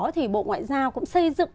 thì bộ ngoại giao cũng xây dựng